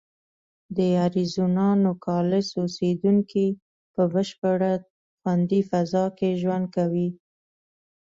د اریزونا نوګالس اوسېدونکي په بشپړه خوندي فضا کې ژوند کوي.